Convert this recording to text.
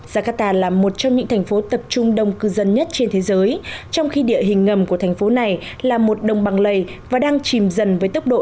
jakarta là một trong những thành phố tập trung đông cư dân nhất trên thế giới trong khi địa hình ngầm của thành phố này là một đồng bằng lầy và đang chìm dần với tốc độ